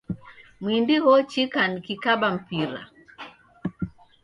Mwindi ghochika nikikaba mpira